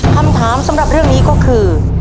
คำถามสำหรับเรื่องนี้ก็คือ